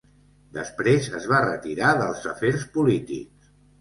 Després es va retirar dels afers polítics.